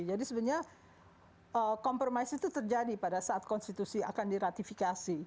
sebenarnya konfirmasi itu terjadi pada saat konstitusi akan diratifikasi